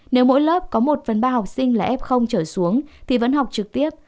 nếu mỗi lớp có một phần ba học sinh là f trở xuống thì vẫn học trực tiếp